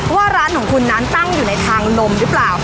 ว่าร้านของคุณนั้นตั้งอยู่ในทางลมหรือเปล่า